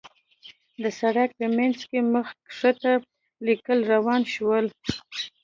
د سړک په مينځ کې مخ کښته ليکه روان شول.